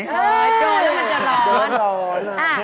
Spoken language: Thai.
แล้วมันจะร้อน